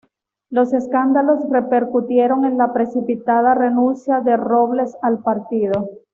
Los escándalos repercutieron en la precipitada renuncia de Robles al partido.